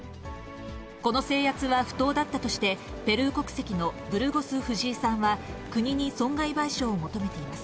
この制圧は不当だったとして、ペルー国籍のブルゴス・フジイさんは国に損害賠償を求めています。